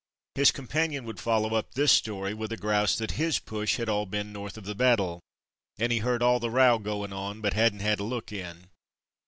His companion would follow up this story with a grouse that his "push" had all been north of the battle, and ''heard all the row goin' on, but hadn't had a look in.